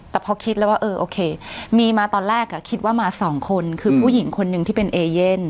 แต่พอคิดแล้วว่าเออโอเคมีมาตอนแรกคิดว่ามาสองคนคือผู้หญิงคนหนึ่งที่เป็นเอเย่น